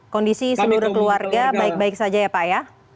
kondisi seluruh keluarga baik baik saja ya pak ya